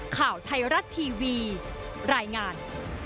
ข่าวไทยรัฐทีวีรายงาน